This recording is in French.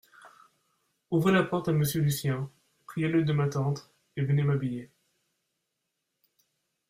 Ouvrez la porte à Monsieur Lucien, priez-le de m'attendre, et venez m'habiller.